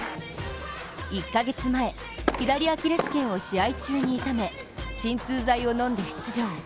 １カ月前、左アキレスけんを試合中に痛め鎮痛剤を飲んで出場。